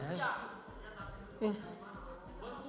plastiknya ada di dalam plastik